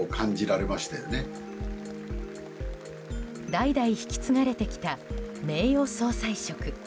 代々引き継がれてきた名誉総裁職。